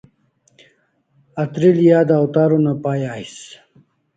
Atril'i a dawtar una pai ais